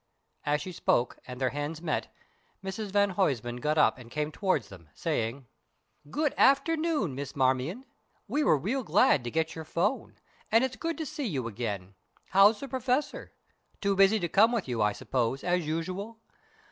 As she spoke, and their hands met, Mrs van Huysman got up and came towards them, saying: "Good afternoon, Miss Marmion. We were real glad to get your 'phone, and it's good to see you again. How's the Professor? Too busy to come with you, I suppose, as usual.